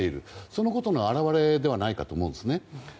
そのことの表れではないかと思うんですね。